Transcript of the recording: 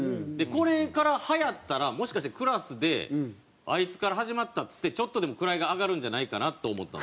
これからはやったらもしかしてクラスであいつから始まったっつってちょっとでも位が上がるんじゃないかな？と思った。